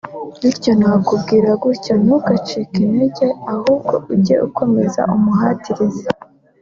bityo nakubwira gutya ntugacike intege ahubwo ujye ukomeza umuhatirize